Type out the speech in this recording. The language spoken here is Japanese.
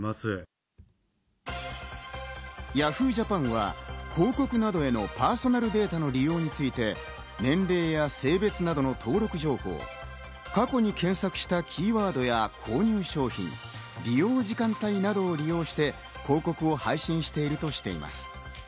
Ｙａｈｏｏ！Ｊａｐａｎは、広告などへのパーソナルデータの利用などについて年齢や性別などの登録情報、過去に検索したキーワードや購入商品、利用時間帯などを利用して広告を配信しているとしています。